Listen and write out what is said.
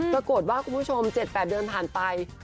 ประกดว่าคุณผู้ชม๗๘เดือนผ่านไป